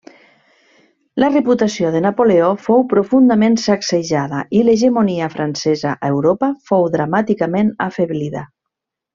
La reputació de Napoleó fou profundament sacsejada i l'hegemonia francesa a Europa fou dramàticament afeblida.